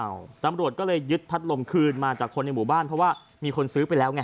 เอาตำรวจก็เลยยึดพัดลมคืนมาจากคนในหมู่บ้านเพราะว่ามีคนซื้อไปแล้วไง